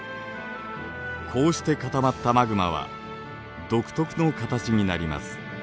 こうして固まったマグマは独特の形になります。